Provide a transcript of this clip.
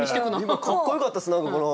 今かっこよかったっす何かこの。